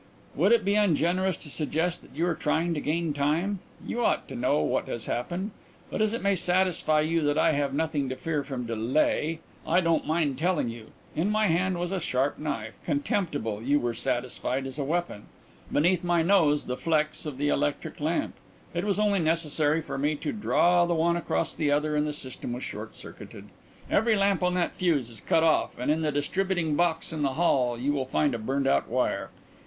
"Would it be ungenerous to suggest that you are trying to gain time? You ought to know what has happened. But as it may satisfy you that I have nothing to fear from delay, I don't mind telling you. In my hand was a sharp knife contemptible, you were satisfied, as a weapon; beneath my nose the 'flex' of the electric lamp. It was only necessary for me to draw the one across the other and the system was short circuited. Every lamp on that fuse is cut off and in the distributing box in the hall you will find a burned out wire.